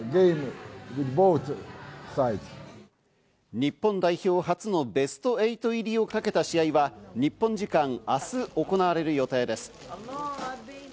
日本代表初のベスト８入りを懸けた試合は、日本時間あす行われる予定です。